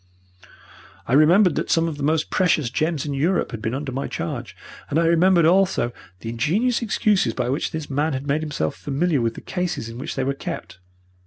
I remembered that some of the most precious gems in Europe had been under my charge, and I remembered also the ingenious excuses by which this man had made himself familiar with the cases in which they were kept.